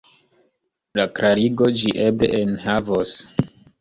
La klarigon ĝi eble enhavos.